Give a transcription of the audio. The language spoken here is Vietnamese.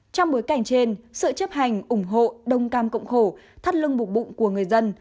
trong bối cảnh trên sự chấp hành ủng hộ đông cam cộng khổ thắt lưng bục bụng của người dân